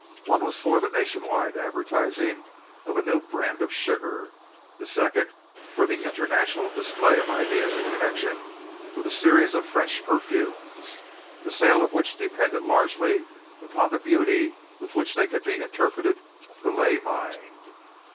One was for the nation wide advertising of a new brand of sugar, the second for the international display of ideas in connection with a series of French perfumes, the sale of which depended largely upon the beauty with which they could be interpreted to the lay mind.